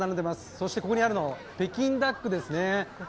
そしてここにあるの、北京ダックですね。